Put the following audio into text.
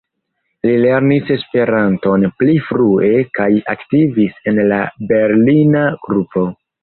Li lernis Esperanton pli frue kaj aktivis en la berlina grupo.